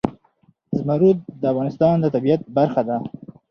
زمرد د افغانستان د طبیعت برخه ده.